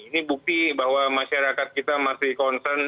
ini bukti bahwa masyarakat kita masih concern